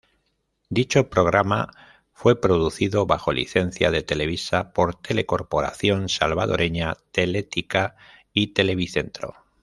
Dicho programa fue producido bajo licencia de Televisa por Telecorporación Salvadoreña, Teletica y Televicentro.